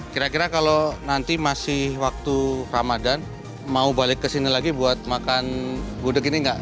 kira kira kalau nanti masih waktu ramadan mau balik ke sini lagi buat makan gudeg ini nggak